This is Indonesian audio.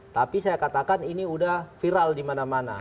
tapi saya katakan ini sudah viral di mana mana